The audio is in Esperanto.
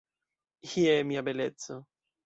Je Mia beleco!